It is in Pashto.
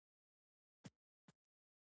هغوی له هېڅ نه پيل کړی او ډېر څه يې موندلي.